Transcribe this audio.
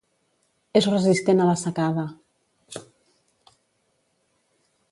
És resistent a la secada.